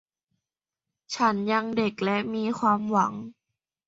ฉันยังเด็กและมีความหวัง